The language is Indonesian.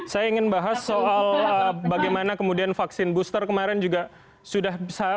saya ingin bahas soal bagaimana kemudian vaksin booster kemarin juga sudah bisa